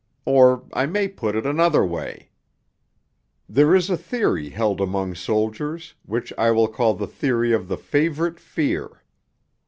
Or I may put it another way. There is a theory held among soldiers, which I will call the theory of the favourite fear.